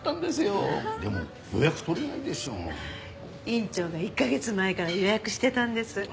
院長が１カ月前から予約してたんです。